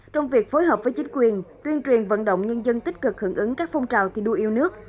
trong việc phối hợp với chính quyền tuyên truyền vận động nhân dân tích cực hưởng ứng các phong trào thi đua yêu nước